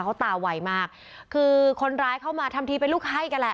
เขาตาไวมากคือคนร้ายเข้ามาทำทีเป็นลูกให้กันแหละ